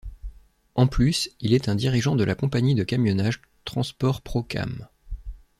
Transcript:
En plus, il est un dirigeant de la compagnie de camionnage Transport Pro Cam.